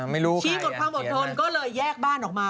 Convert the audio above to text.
ไม่รู้ชี้หมดความอดทนก็เลยแยกบ้านออกมา